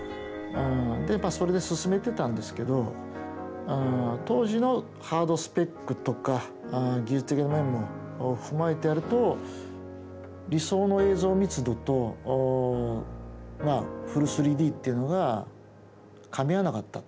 でやっぱそれで進めてたんですけど当時のハードスペックとか技術的な面も踏まえてやると理想の映像密度とまあフル３Ｄっていうのがかみ合わなかった。